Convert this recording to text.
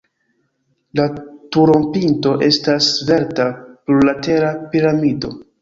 La turopinto estas svelta plurlatera piramido.